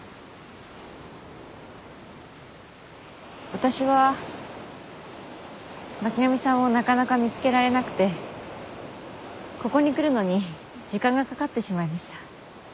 私は巻上さんをなかなか見つけられなくてここに来るのに時間がかかってしまいました。